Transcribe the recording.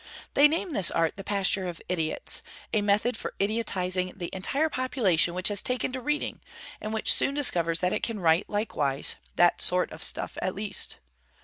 They name this Art the pasture of idiots, a method for idiotizing the entire population which has taken to reading; and which soon discovers that it can write likewise, that sort of stuff at least.